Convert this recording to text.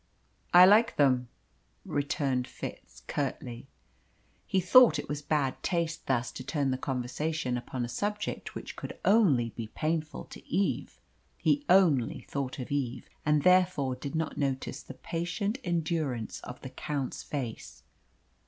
"I like them," returned Fitz curtly. He thought it was bad taste thus to turn the conversation upon a subject which could only be painful to Eve. He only thought of Eve, and therefore did not notice the patient endurance of the Count's face.